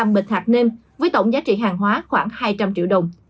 bảy mươi năm bịch hạt nêm với tổng giá trị hàng hóa khoảng hai trăm linh triệu đồng